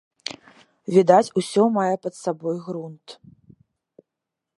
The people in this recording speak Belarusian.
Відаць, усё мае пад сабой грунт.